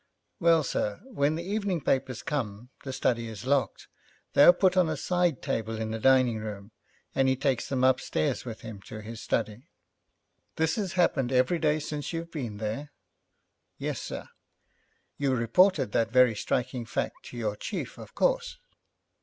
'Well, sir, when the evening papers come, the study is locked. They are put on a side table in the dining room, and he takes them upstairs with him to his study.' 'This has happened every day since you've been there?' 'Yes, sir.' 'You reported that very striking fact to your chief, of course?'